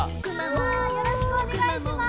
よろしくお願いします！